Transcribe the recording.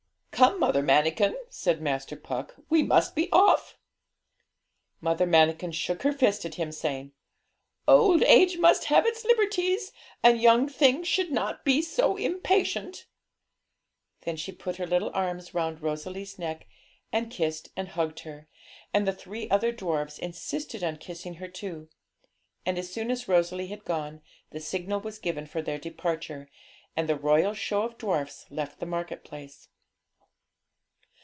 'Come, Mother Manikin,' said Master Puck, 'we must be off!' Mother Manikin shook her fist at him, saying 'Old age must have its liberties, and young things should not be so impatient.' Then she put her little arms round Rosalie's neck and kissed and hugged her; and the three other dwarfs insisted on kissing her too. And as soon as Rosalie had gone, the signal was given for their departure, and the 'Royal Show of Dwarfs' left the market place.